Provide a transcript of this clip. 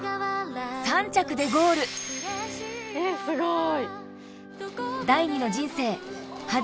３着でゴールすごい！